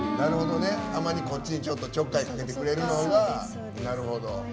たまに、こっちにちょっかいかけてくれるのがなるほど。